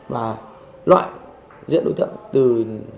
và loại diễn đối tượng